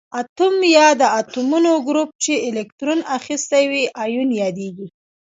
اتوم یا د اتومونو ګروپ چې الکترون اخیستی وي ایون یادیږي.